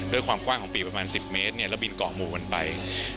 ด้วยความกว้างของปีกประมาณ๑๐เมตรแล้วบินเกาะหมู่กันไป